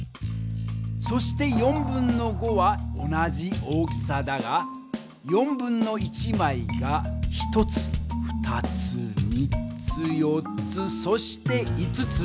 そしては同じ大きさだが1/4枚が１つ２つ３つ４つそして５つ。